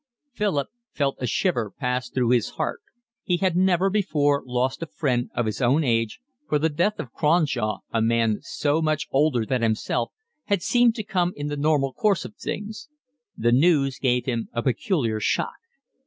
Philip felt a shiver pass through his heart. He had never before lost a friend of his own age, for the death of Cronshaw, a man so much older than himself, had seemed to come in the normal course of things. The news gave him a peculiar shock.